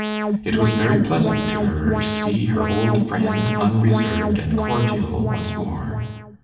It was very pleasant to her to see her old friend unreserved and cordial once more.